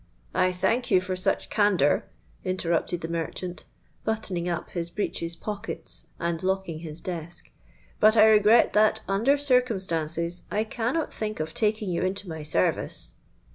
'—'I thank you for such candour,' interrupted the merchant, buttoning up his breeches pockets, and locking his desk; 'but I regret that, under circumstances, I cannot think of taking you into my service.'